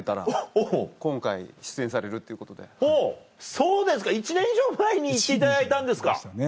そうですか１年以上前に行っていただいたんですか。